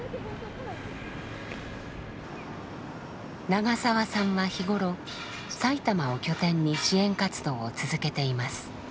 長澤さんは日頃埼玉を拠点に支援活動を続けています。